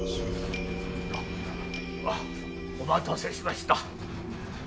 あっお待たせしました。